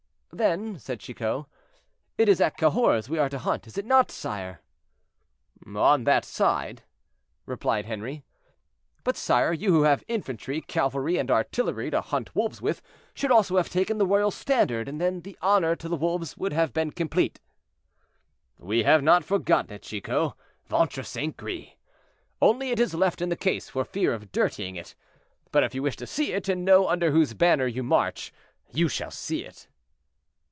"Then," said Chicot, "it is at Cahors we are to hunt, is it not, sire?" "On that side," replied Henri. "But, sire, you who have infantry, cavalry, and artillery to hunt wolves with, should also have taken the royal standard, and then the honor to the wolves would have been complete." "We have not forgotten it, Chicot, ventre St. Gris! only it is left in the case for fear of dirtying it. But if you wish to see it, and know under whose banner you march, you shall see it."